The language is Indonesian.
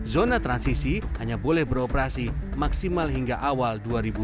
zona transisi hanya boleh beroperasi maksimal hingga awal dua ribu dua puluh